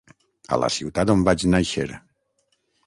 A la ciutat on vaig nàixer.